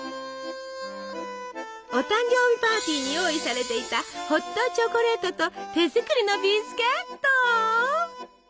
お誕生日パーティーに用意されていたホットチョコレートと手作りのビスケット。